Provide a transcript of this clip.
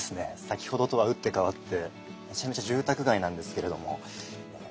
先ほどとは打って変わってめちゃめちゃ住宅街なんですけれども。